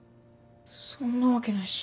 そんなわけないし。